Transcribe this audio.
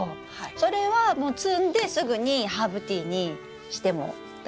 それは摘んですぐにハーブティーにしても大丈夫ですか？